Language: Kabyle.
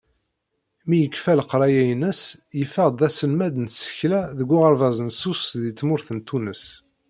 Mi yekfa leqraya-ines, yeffeɣ-d d aselmad n tsekla deg uɣerbaz n Sus di tmurt n Tunes.